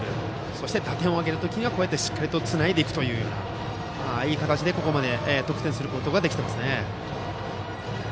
そして打点を挙げる時にはしっかり、つないでいくといういい形で、ここまで得点することができていますね。